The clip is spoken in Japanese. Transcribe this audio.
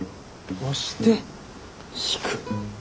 押して引く。